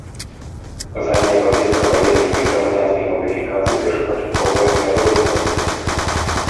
Задняя падвеска ваеннай і грамадзянскай мадыфікацый першапачаткова не адрознівалася.